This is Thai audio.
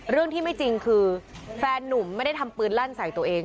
เรื่องที่ไม่จริงคือแฟนนุ่มไม่ได้ทำปืนลั่นใส่ตัวเอง